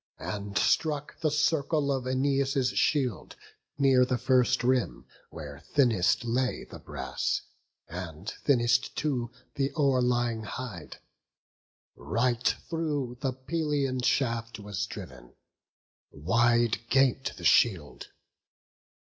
And struck the circle of Æneas' shield Near the first rim, where thinnest lay the brass, And thinnest too th' o'erlying hide; right through The Pelian shaft was driv'n; wide gap'd the shield.